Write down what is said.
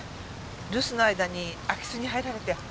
留守の間に空き巣に入られて。